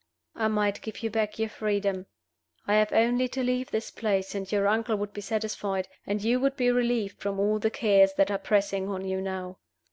"I might give you back your freedom. I have only to leave this place, and your uncle would be satisfied, and you would be relieved from all the cares that are pressing on you now."